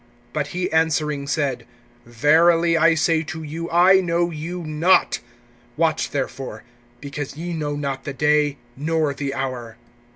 (12)But he answering said: Verily I say to you, I know you not. (13)Watch, therefore; because ye know not the day, nor the hour!